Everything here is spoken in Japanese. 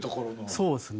そうですね。